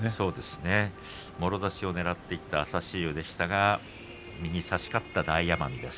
もろ差しをねらっていった朝志雄ですが右差しかった大奄美です。